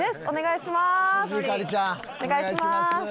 お願いします！